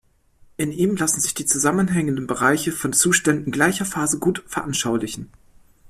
In ihm lassen sich die zusammenhängende Bereiche von Zuständen gleicher Phase gut veranschaulichen.